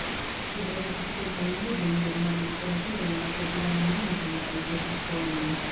Ŝi tradukis kelkajn librojn de rumana literaturo en la portugalan lingvon kaj verkis poemojn.